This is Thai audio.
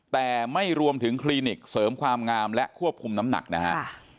แต่ไม่รวมถึงคลินิกเสริมความงามและควบคุมน้ำหนักนะฮะ